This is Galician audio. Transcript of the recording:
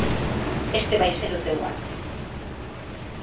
Este vai ser o teu ano.